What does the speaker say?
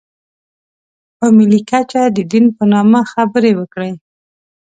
په ملي کچه د دین په نامه خبرې وکړي.